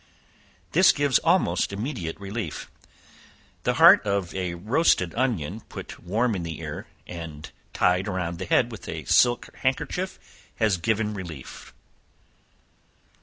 This gives almost immediate relief. The heart of a roasted onion put warm in the ear, and tie around the head a silk handkerchief, has given relief.